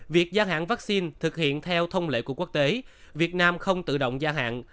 việc gia hạn vaccine thực hiện theo thông lệ của quốc tế việt nam không tự động gia hạn